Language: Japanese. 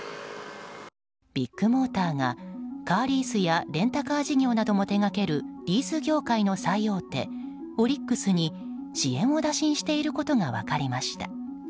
ビッグモーターがカーリースやレンタカー事業なども手掛けるリース業界の最大手オリックスに支援を打診していることが分かりました。